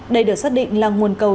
đây được xác định là nguồn cầu